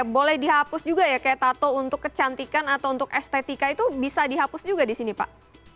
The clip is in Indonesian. boleh dihapus juga ya kayak tato untuk kecantikan atau untuk estetika itu bisa dihapus juga di sini pak